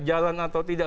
jalan atau tidak